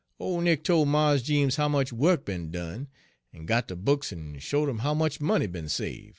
Ole Nick tol' Mars Jeems how much wuk be'n done, en got de books en showed 'im how much money be'n save'.